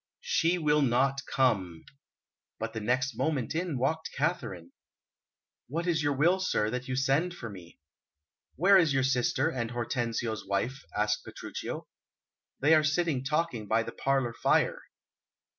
"She will not come." But the next moment in walked Katharine. "What is your will, sir, that you send for me?" "Where is your sister, and Hortensio's wife?" asked Petruchio. "They are sitting talking by the parlour fire."